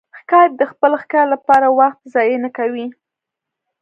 ښکاري د خپل ښکار لپاره وخت ضایع نه کوي.